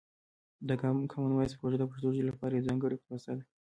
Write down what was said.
د کامن وایس پروژه د پښتو ژبې لپاره یوه ځانګړې پروسه ده.